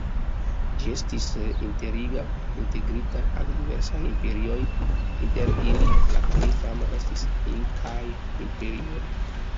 Ĝi estis integrita al diversaj imperioj, inter ili la plej fama estis Inkaa Imperio.